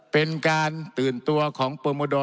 เป็นการตื่นตัวของโปรโมโด